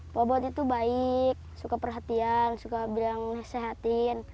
pak obot itu baik suka perhatian suka bilang sehatin